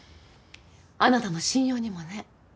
あなたの信用にもね。